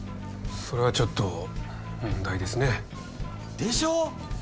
それはちょっと問題ですねでしょ！？